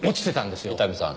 伊丹さん。